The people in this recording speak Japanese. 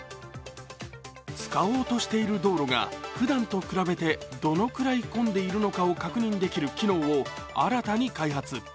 使おうとしている道路がふだんと比べて、どのくらい混んでいるのかを確認できる機能を新たに開発。